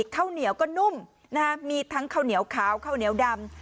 ข้าวเหนียวก็นุ่มมีทั้งข้าวเหนียวขาวข้าวเหนียวดำ